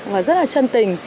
và rất là chân tình